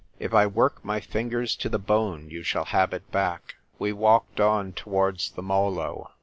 " If I work my fingers to the bone you shall have it back." We walked on towards the Molo.